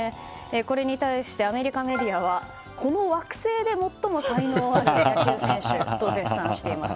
これに対してアメリカメディアはこの惑星で最も才能のある野球選手だと絶賛しています。